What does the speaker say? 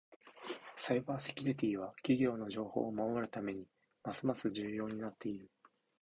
サイバーセキュリティは企業の情報を守るためにますます重要になっている。